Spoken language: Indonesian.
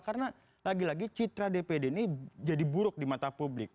karena lagi lagi citra dpd ini jadi buruk di mata publik